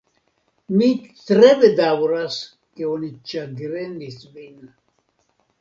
Mi tre bedaŭras ke oni ĉagrenis vin.